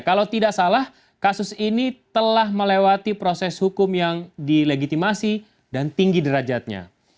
kalau tidak salah kasus ini telah melewati proses hukum yang dilegitimasi dan tinggi derajatnya